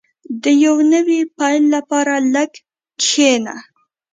• د یو نوي پیل لپاره لږ کښېنه.